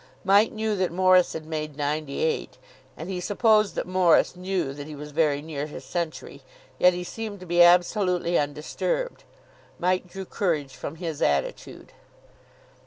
Mike knew that Morris had made ninety eight, and he supposed that Morris knew that he was very near his century; yet he seemed to be absolutely undisturbed. Mike drew courage from his attitude.